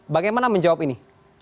bagaimana menjawab ini